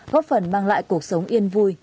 góp phần mang lại cuộc sống yên vui